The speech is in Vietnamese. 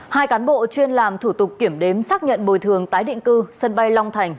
hai cán bộ chuyên làm thủ tục kiểm đếm xác nhận bồi thường tái định cư sân bay long thành